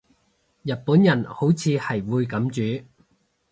日本人好似係會噉煮